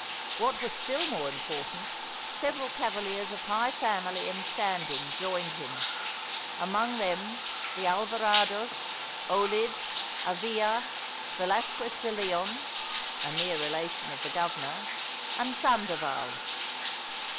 What was still more important, several cavaliers of high family and standing joined him: among them the Alvarados, Olid, Avila, Velasquez de Leon (a near relation of the governor), and Sandoval.